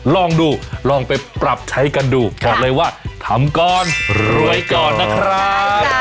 ลองดูลองไปปรับใช้กันดูบอกเลยว่าทำก่อนรวยก่อนนะครับ